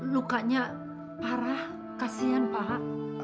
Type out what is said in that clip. lukanya parah kasian pak